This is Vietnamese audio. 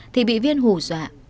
thì bị viên hủ dọa